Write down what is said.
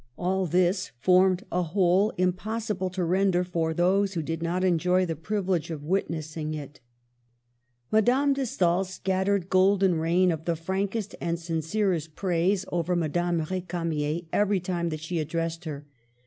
All this formed a whole impossible to render for those who did not enjoy the privilege of witnessing it. Digitized by VjOOQIC Il8 MADAME DE STAML. Madame de Stael scattered golden rain of the frankest and sincerest praise over Madame R6 camier every time that she addressed her.